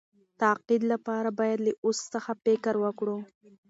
تقاعد لپاره باید له اوس څخه فکر وکړو.